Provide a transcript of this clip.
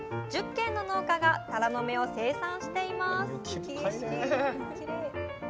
１０軒の農家がタラの芽を生産しています